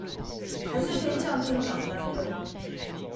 還是偏向廳長擔任